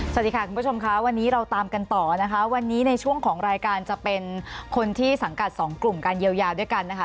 สวัสดีค่ะคุณผู้ชมค่ะวันนี้เราตามกันต่อนะคะวันนี้ในช่วงของรายการจะเป็นคนที่สังกัดสองกลุ่มการเยียวยาด้วยกันนะคะ